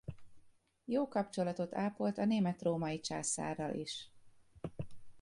Jó kapcsolatot ápolt a német-római császárral is.